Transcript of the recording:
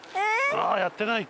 ああやってない？